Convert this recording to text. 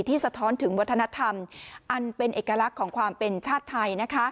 สะท้อนถึงวัฒนธรรมอันเป็นเอกลักษณ์ของความเป็นชาติไทย